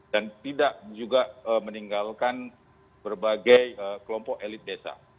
dan tidak juga meninggalkan berbagai kelompok elit desa